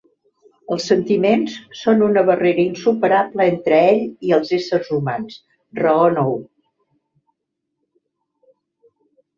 Els sentiments, són una barrera insuperable entre ell i els éssers humans? Raona-ho.